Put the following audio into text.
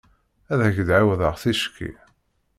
Ad ak-d-ɛawdeɣ ticki.